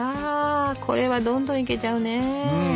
これはどんどんいけちゃうね。